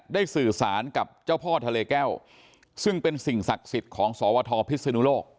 สื่อสารกับเจ้าพ่อทะเลแก้วซึ่งเป็นสิ่งศักดิ์สิทธิ์ของสวทพิศนุโลก